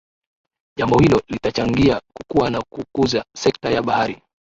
Jambo hilo litachangia kukua na kukuza sekta ya bahari